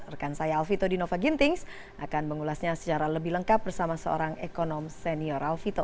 rekan saya alfito dinova gintings akan mengulasnya secara lebih lengkap bersama seorang ekonom senior alfito